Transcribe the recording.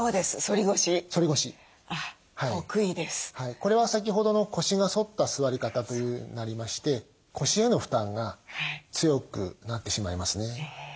これは先ほどの腰が反った座り方というようになりまして腰への負担が強くなってしまいますね。